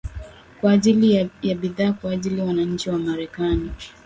kwa ajili ya bidhaa na kwajili wananchi wa marekani